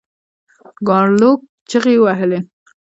ګارلوک چیغې وهلې.